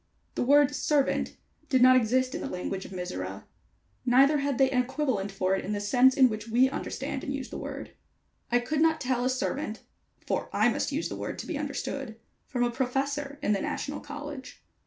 The word "servant" did not exist in the language of Mizora; neither had they an equivalent for it in the sense in which we understand and use the word. I could not tell a servant for I must use the word to be understood from a professor in the National College.